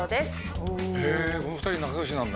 この２人仲良しなんだ。